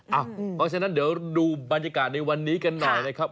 เพราะฉะนั้นเดี๋ยวดูบรรยากาศในวันนี้กันหน่อยนะครับ